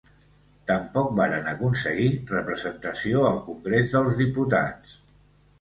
Tampoc varen aconseguir representació al Congrés dels Diputats.